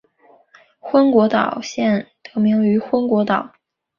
昏果岛县得名于昏果岛。